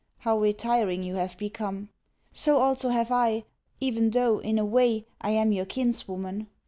How retiring you have become! So also have I, even though, in a way, I am your kinswoman.